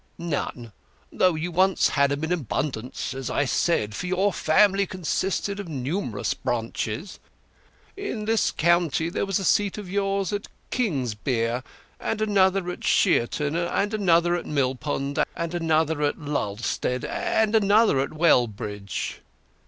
"None; though you once had 'em in abundance, as I said, for your family consisted of numerous branches. In this county there was a seat of yours at Kingsbere, and another at Sherton, and another in Millpond, and another at Lullstead, and another at Wellbridge."